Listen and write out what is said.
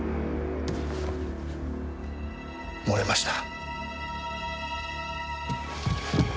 漏れました。